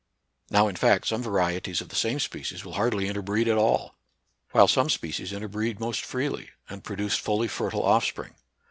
Now in fact some varie ties of the same species will hardly interbreed at all ; while some species interbreed most freely, and produce fully fertile offspring.